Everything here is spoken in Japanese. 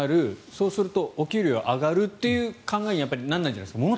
そうするとお給料が上がるという感覚にならないんじゃないんですか。